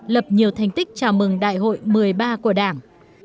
lập nhiều thành tích chào mừng đại hội một mươi ba của đảng